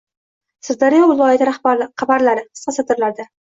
Sirdaryo viloyati xabarlari – qisqa satrlarda